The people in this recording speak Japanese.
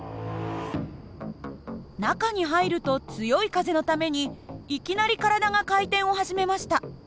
中に入ると強い風のためにいきなり体が回転を始めました。